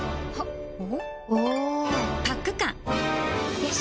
よし！